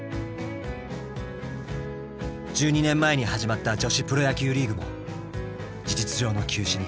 １２年前に始まった女子プロ野球リーグも事実上の休止に。